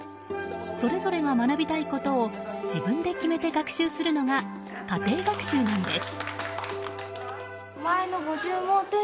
それぞれが学びたいことを自分で決めて学習するのが家庭学習なんです。